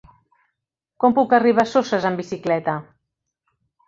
Com puc arribar a Soses amb bicicleta?